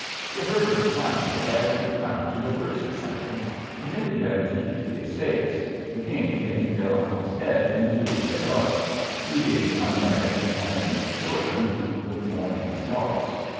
De Herbert's family begged the crown to reverse the sentence, permitting them to keep the estates, the king taking their uncle's head in lieu thereof, he being unmarried and having no children who would mourn his loss.